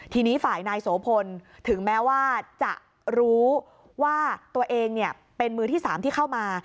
ทีนี้ฝ่ายนายโสพลถึงแม้ว่าจะรู้ว่าตัวเองเป็นมือที่๓ที่เข้ามา